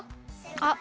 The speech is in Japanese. あっ。